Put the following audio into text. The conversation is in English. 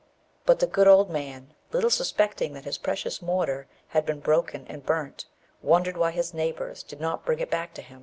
But the good old man, little suspecting that his precious mortar had been broken and burnt, wondered why his neighbours did not bring it back to him.